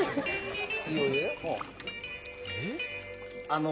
あの。